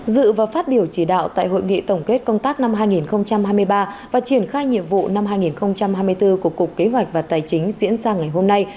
dự và phát biểu chỉ đạo tại hội nghị tổng kết công tác năm hai nghìn hai mươi ba và triển khai nhiệm vụ năm hai nghìn hai mươi bốn của cục kế hoạch và tài chính diễn ra ngày hôm nay